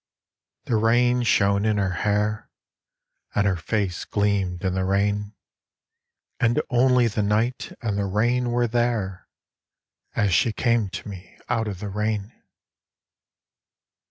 The rain shone in her hair, And her face gleamed in the rain; And only the night and the rain were there As she came to me out of the rain.